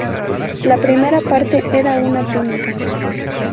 La primera parte era una túnica.